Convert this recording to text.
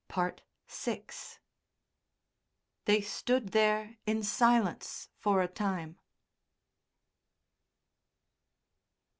VI They stood there in silence for a time....